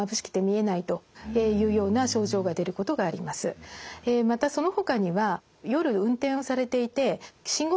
えまたそのほかには夜運転をされていて信号機の矢印ですね